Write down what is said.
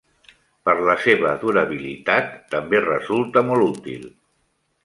Per la seva durabilitat, també resulta molt útil.